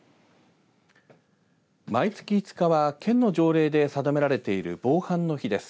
毎月５日は県の条例で定められている防犯の日です。